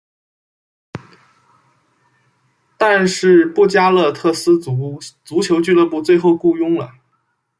但是布加勒斯特星足球俱乐部最后雇佣了。